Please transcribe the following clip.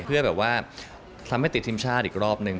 เพื่อแบบว่าทำให้ติดทีมชาติอีกรอบนึง